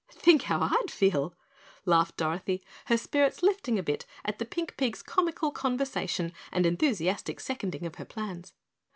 "Think how I'd feel!" laughed Dorothy, her spirits lifting a bit at the pink pig's comical conversation and enthusiastic seconding of her plans.